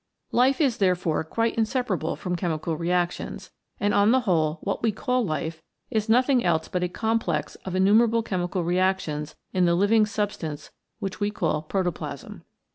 Life is, therefore, quite inseparable from chemical reactions, and on the whole what we call life is nothing else but a complex of in numerable chemical reactions in the living sub stance which we call protoplasm.